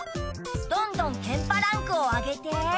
どんどんケンパランクを上げて。